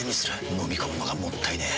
のみ込むのがもったいねえ。